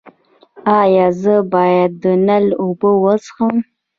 ایا زه باید د نل اوبه وڅښم؟